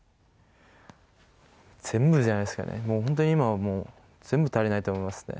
全部じゃないですかね、もう本当に今は、全部足りないと思いますね。